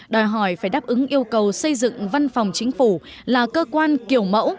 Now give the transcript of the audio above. đại hội phải đáp ứng yêu cầu xây dựng văn phòng chính phủ là cơ quan kiểu mẫu